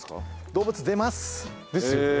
動物出ます！ですよね。